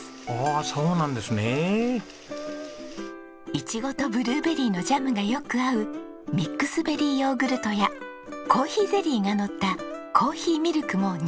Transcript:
いちごとブルーベリーのジャムがよく合うミックスベリーヨーグルトやコーヒーゼリーがのった珈琲ミルクも人気ですよ。